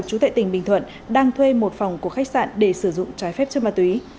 chú tại tỉnh bình thuận đang thuê một phòng của khách sạn để sử dụng trái phép chất ma túy